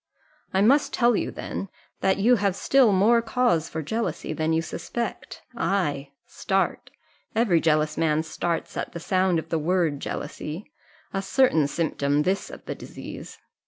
I must tell you, then, that you have still more cause for jealousy than you suspect. Ay, start every jealous man starts at the sound of the word jealousy a certain symptom this of the disease."